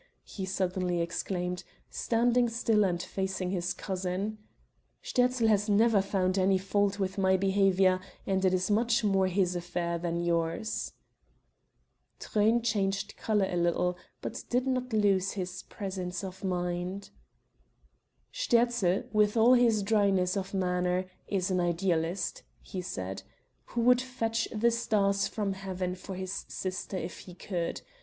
he suddenly exclaimed, standing still and facing his cousin. "Sterzl has never found any fault with my behavior and it is much more his affair than yours." Truyn changed color a little, but did not lose his presence of mind. "Sterzl, with all his dryness of manner, is an idealist," he said, "who would fetch the stars from heaven for his sister if he could.